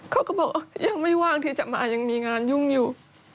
เขาก็บอกว่ายังไม่ว่างที่จะมายังมีงานยุ่งอยู่